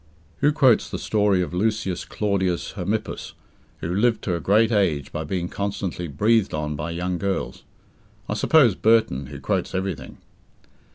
(Who quotes the story of Lucius Claudius Hermippus, who lived to a great age by being constantly breathed on by young girls? I suppose Burton who quotes everything.)